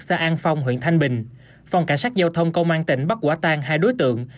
xã an phong huyện thanh bình phòng cảnh sát giao thông công an tỉnh bắt quả tan hai đối tượng